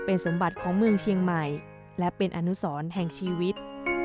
เป็นสมบัติของเมืองเชียงใหม่และเป็นอนุสรแห่งชีวิต